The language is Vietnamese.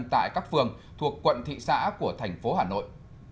tại các phường thuộc quận thị xã của thành phố hà nội